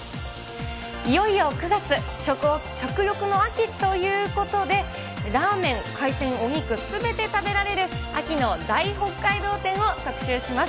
いよいよ９月、食欲の秋ということで、ラーメン、海鮮、お肉、すべて食べられる秋の大北海道展を特集します。